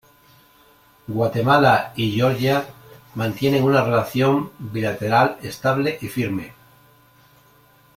Guatemala y Georgia mantienen una relación bilateral estable y firme.